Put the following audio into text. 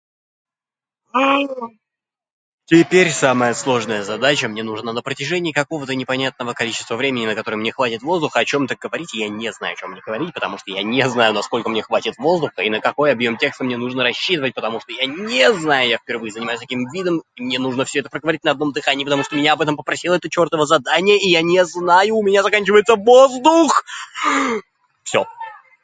[Inspiration] Теперь самая сложная задача. Мне нужно на протяжении какого-то непонятного количества времени, на которое мне хватит воздуха о чём-то говорить, и я не знаю, о чём мне говорить, потому что я не знаю, на сколько мне хватит воздуха, и на какой объём текста мне нужно расчитывать, потому что я не знаю, и я впервые занимаюсь таким видом. Мне нужно всё это проговорить на одном дыхании, потому что меня об этом попросило это чёртово задание, и я не знаю. У меня заканчивается воздух [Inspiration] Всё.